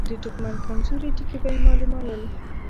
د دښمن کمزوري ټکي به يې مالومول.